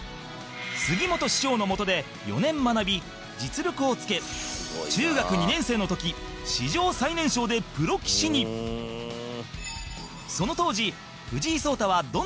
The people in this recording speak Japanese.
杉本師匠のもとで４年学び実力をつけ中学２年生の時史上最年少でプロ棋士に肝は冷えるがうわ！